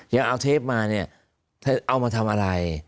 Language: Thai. อย่างเอาเทปมาเอามาทำอะไร